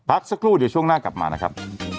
พักสักครู่เดี๋ยวช่วงหน้ากลับมานะครับ